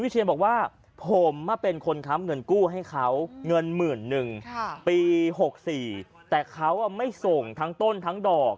แต่เขาไม่ส่งทั้งต้นทั้งดอก